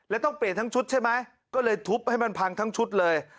แล้วต้องเปลี่ยนทั้งชุดใช่ไหมก็เลยทุบให้มันพังทั้งชุดเลย